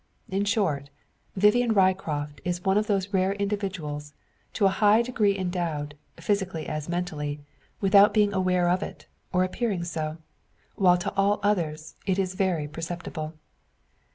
In short, Vivian Ryecroft is one of those rare individuals, to a high degree endowed, physically as mentally, without being aware of it, or appearing so; while to all others it is very perceptible.